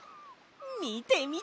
みてみて！